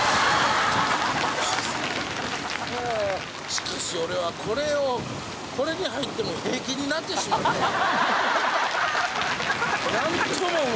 しかし俺はこれをこれに入っても平気になってしまったわ。